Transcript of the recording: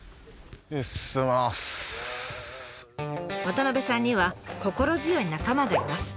渡部さんには心強い仲間がいます。